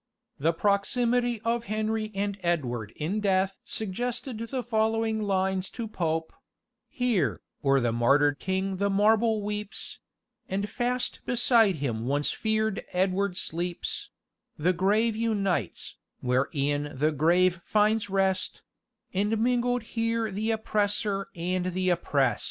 The proximity of Henry and Edward in death suggested the following lines to Pope "Here, o'er the martyr king the marble weeps, And fast beside him once fear'd Edward sleeps; The grave unites, where e'en the grave finds rest, And mingled here the oppressor and the opprest."